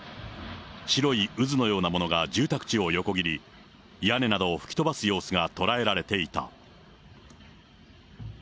白い渦のようなものが住宅地を横切り、屋根などを吹き飛ばす様子が捉えられていた。